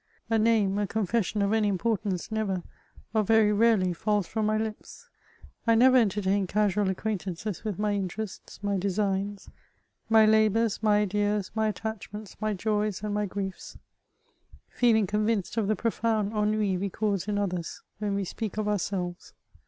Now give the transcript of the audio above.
A name, a confession of any importance never, or very rarely, falls from my lips. I never entertain casual acquaintances with my interests, my designs, my labours, my ideas, my attachments, my joys, and my g^e&, feeling convinced of the profound ennui we cause in others when we speak of ourselves.